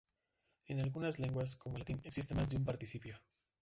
En algunas lenguas, como el latín, existe más de un participio.